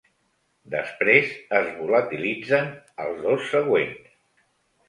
Després es volatilitzen els dos següents.